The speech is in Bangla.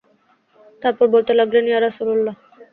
তারপর বলতে লাগলেন, ইয়া রাসূলাল্লাহ!